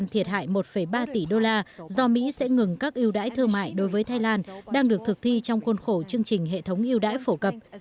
thiệt hại một ba tỷ đô la do mỹ sẽ ngừng các ưu đãi thương mại đối với thái lan đang được thực thi trong khuôn khổ chương trình hệ thống yêu đãi phổ cập